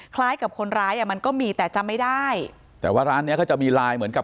คล้ายกับคนร้ายอ่ะมันก็มีแต่จำไม่ได้แต่ว่าร้านเนี้ยเขาจะมีลายเหมือนกับ